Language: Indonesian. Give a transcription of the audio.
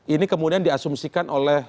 ini kemudian diasumsikan oleh